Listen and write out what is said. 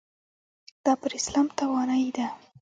دا پر اسلام توانایۍ ده.